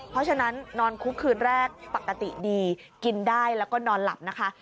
เพราะฉะนั้นนอนคุกคืนแรกปกติดีกินได้แล้วก็นอนหลับนะคะ